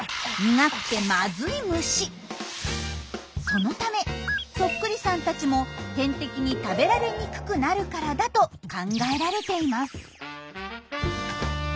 そのためそっくりさんたちも天敵に食べられにくくなるからだと考えられています。